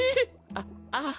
あっああ